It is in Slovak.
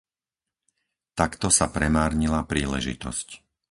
Takto sa premárnila príležitosť.